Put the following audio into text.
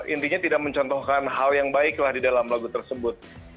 intinya tidak mencontohkan hal yang baiklah di dalam lagu tersebut